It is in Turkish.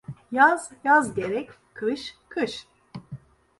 Yaz yaz gerek, kış kış.